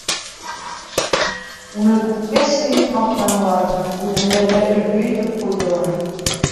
Уны күккә сөйөп маҡтанылар, бүтәндәргә өлгө итеп ҡуйҙылар.